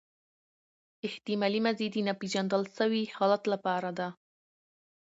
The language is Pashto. احتمالي ماضي د ناپیژندل سوي حالت له پاره ده.